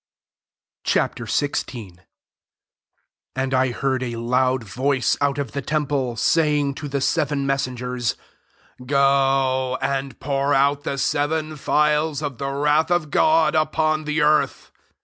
Ch. XVL 1 And I heard a loud voice [out qf the tern file y"] saying to the seven messengers, " Go, and pour out the seven phials of the wrath of God upon the eaith."